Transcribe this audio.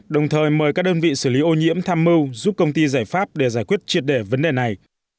đồng thời mời các đơn vị xử lý ô nhiễm tham mưu giúp công ty giải pháp để giải quyết triệt đề vấn đề này